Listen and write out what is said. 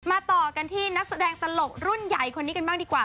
ต่อกันที่นักแสดงตลกรุ่นใหญ่คนนี้กันบ้างดีกว่า